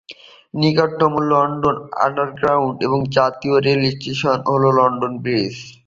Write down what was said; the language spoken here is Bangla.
নিকটতম লন্ডন আন্ডারগ্রাউন্ড এবং জাতীয় রেল স্টেশন হল লন্ডন ব্রিজ।